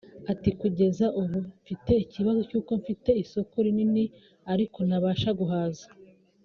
Ati“Kugeza ubu mfite ikibazo cy’uko mfite isoko rini ariko ntabasha guhaza